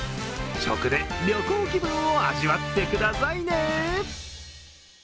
食で旅行気分を味わってくださいね。